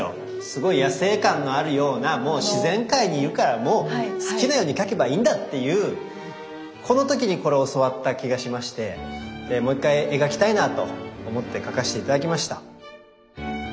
すごい野性感のあるようなもう自然界にいるからもう好きなように描けばいいんだっていうこの時にこれを教わった気がしましてもう一回描きたいなと思って描かせて頂きました。